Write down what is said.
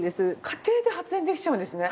家庭で発電できちゃうんですね。